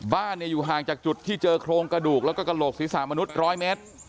บ้านอยู่ห่างจากจุดที่เจอโครงกระดูกแล้วก็กระโหลกศีรษะมนุษย์๑๐๐เมตร